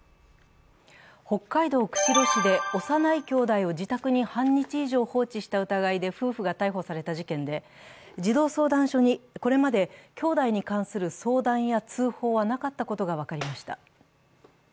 北海道釧路市で幼い兄弟を自宅に半日以上放置した疑いで夫婦が逮捕された事件で、児童相談所に、これまで兄弟に関する相談や通報はなかったことが分かりました。